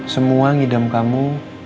semua ngidam kamu